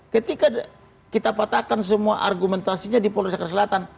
ketika kita patahkan semua argumentasinya di polres jakarta selatan